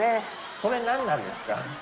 それ何なんですか？